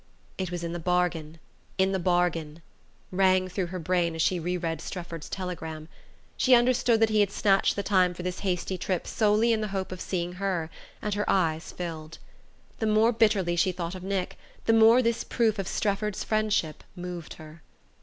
"It was in the bargain in the bargain," rang through her brain as she re read Strefford's telegram. She understood that he had snatched the time for this hasty trip solely in the hope of seeing her, and her eyes filled. The more bitterly she thought of Nick the more this proof of Strefford's friendship moved her.